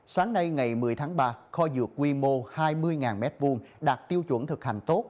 sáng nay ngày một mươi tháng ba kho dược quy mô hai mươi m hai đạt tiêu chuẩn thực hành tốt